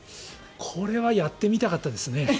これはやってみたかったですね